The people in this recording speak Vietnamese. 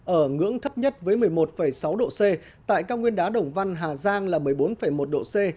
ở ngưỡng thấp nhất với một mươi một sáu độ c tại cao nguyên đá đồng văn hà giang là một mươi bốn một độ c